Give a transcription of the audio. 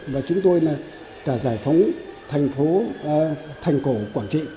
và chúng tôi đã giải phóng thành phố thành cổ quảng trị